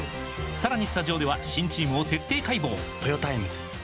さらにスタジオでは新チームを徹底解剖！